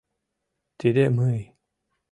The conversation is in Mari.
— Тиде мый...